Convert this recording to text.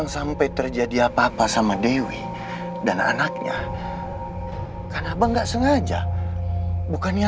sampai jumpa di video selanjutnya